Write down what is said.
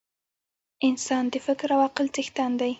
انسان د فکر او عقل څښتن دی.